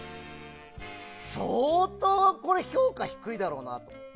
相当、評価低いだろうと。